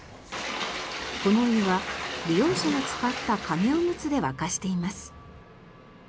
このお湯は利用者が使った紙おむつで沸かしています。